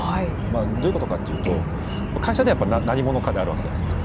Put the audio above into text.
どういうことかというと会社では何者かであるわけじゃないですか。